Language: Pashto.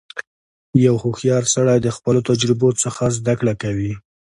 • یو هوښیار سړی د خپلو تجربو څخه زدهکړه کوي.